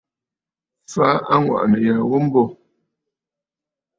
Fa aŋwàʼànə̀ ya ghu mbô.